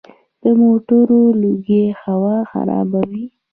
د موټرو لوګی هوا خرابوي.